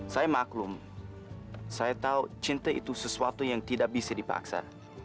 saya maklum saya tahu cinta itu sesuatu yang tidak bisa dipaksa